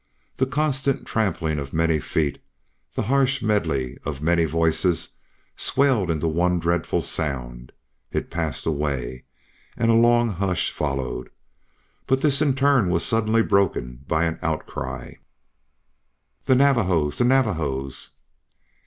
The constant trampling of many feet, the harsh medley of many voices swelled into one dreadful sound. It passed away, and a long hush followed. But this in turn was suddenly broken by an outcry: "The Navajos! The Navajos!"